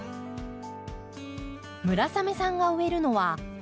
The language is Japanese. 村雨さんが植えるのはクワの木。